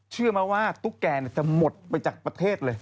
เชื่อไหมว่าตุ๊กแกจะหมดไปจากประเทศเลย